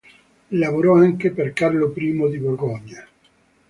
Lavorò anche per Carlo I di Borgogna.